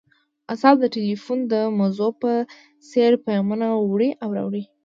اعصاب د ټیلیفون د مزو په څیر پیامونه وړي او راوړي